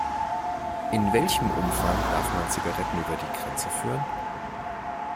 In welchem Umfang darf man Zigaretten über die Grenze führen?